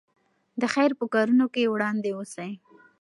د خیر په کارونو کې وړاندې اوسئ.